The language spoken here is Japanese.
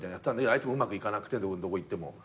あいつもうまくいかなくてどこ行っても。